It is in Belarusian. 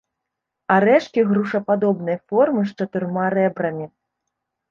Арэшкі грушападобнай формы, з чатырма рэбрамі.